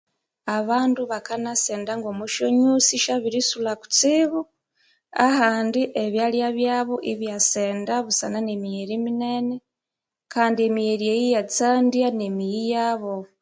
Abandu bakanasenda ngomwa syonyusi syabirisulha kutsibu ahandi ebyalya byabo ibyasenda busana nemigheri minene, kandi emigheri eyi iyasendya nemiyi yabo.